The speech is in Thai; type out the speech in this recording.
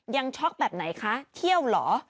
ช็อกแบบไหนคะเที่ยวเหรอ